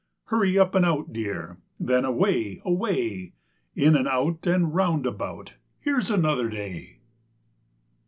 Hurry up and out, dear, Then away! away! In and out and round about, Here's another day!